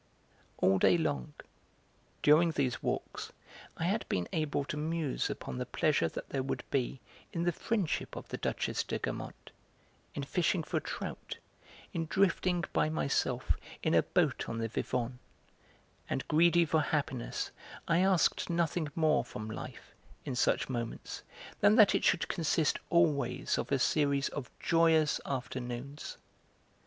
All day long, during these walks, I had been able to muse upon the pleasure that there would be in the friendship of the Duchesse de Guermantes, in fishing for trout, in drifting by myself in a boat on the Vivonne; and, greedy for happiness, I asked nothing more from life, in such moments, than that it should consist always of a series of joyous afternoons.